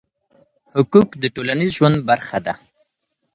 حقوق د ټولنيز ژوند برخه ده؟